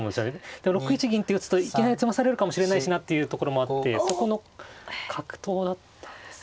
でも６一銀って打つといきなり詰まされるかもしれないしなっていうところもあってそこの格闘だったんです。